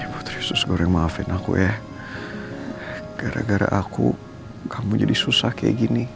putri sus goreng maafin aku ya gara gara aku kamu jadi susah kayak gini